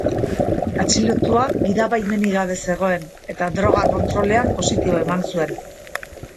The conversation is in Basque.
Atxilotua gidabaimenik gabe zegoen eta droga kontrolean positibo eman zuen.